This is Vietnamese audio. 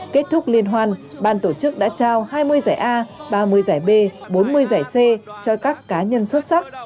kết thúc liên hoan ban tổ chức đã trao hai mươi giải a ba mươi giải b bốn mươi giải c cho các cá nhân xuất sắc